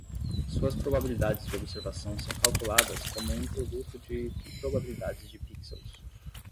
Suas probabilidades de observação são calculadas como um produto de probabilidades de pixels.